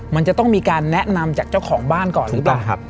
มันจะต้องมีการแนะนำจากเจ้าของบ้านก่อนหรือเปล่า